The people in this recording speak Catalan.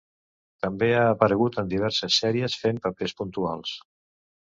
També ha aparegut en diverses sèries fent papers puntuals.